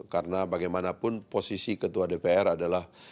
karena bagaimanapun posisi ketua dpr adalah